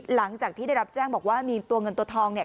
หลังจากที่ได้รับแจ้งบอกว่ามีตัวเงินตัวทองเนี่ย